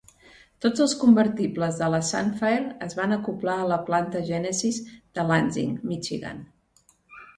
Tots els convertibles de Sunfire es van acoblar a la planta "Genesis" de Lansing, Michigan.